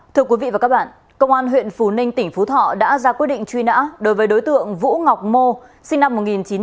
thưa quý vị và các bạn công an huyện phú ninh tỉnh phú thọ đã ra quyết định truy nã đối với đối tượng vũ ngọc mô sinh năm một nghìn chín trăm tám mươi